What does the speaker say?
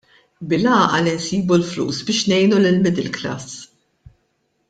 Bil-għaqal insibu l-flus biex ngħinu lill-middle class!